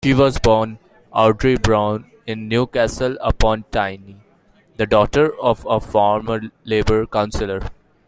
She was born Audrey Brown in Newcastle-upon-Tyne, the daughter of a former Labour councillor.